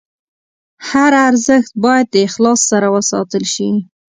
هر ارزښت باید د اخلاص سره وساتل شي.